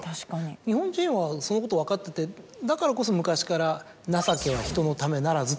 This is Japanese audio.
日本人はそのことを分かっててだからこそ昔から「情けは人の為ならず」って。